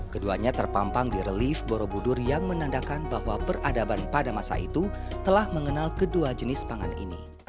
keduanya terpampang di relief borobudur yang menandakan bahwa peradaban pada masa itu telah mengenal kedua jenis pangan ini